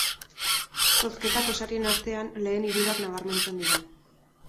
Zozketako sarien artean lehen hirurak nabarmentzen dira.